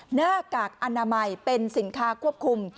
หน้ากากอนามัยเป็นสินค้าควบคุม